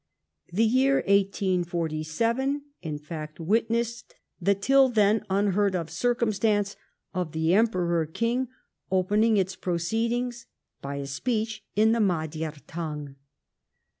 The year 1847, in fact, witnessed the till then unheard of circumstance of the Emperor King opening its proceedings by a speech in the Magyar tongue.